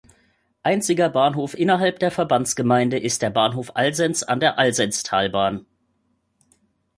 Einziger Bahnhof innerhalb der Verbandsgemeinde ist der Bahnhof Alsenz an der Alsenztalbahn.